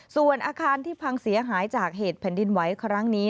ส่วนอาคารที่พังเสียหายจากเหตุแผ่นดินไหวครั้งนี้